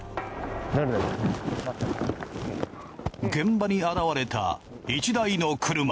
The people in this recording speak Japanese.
現場に現れた１台の車。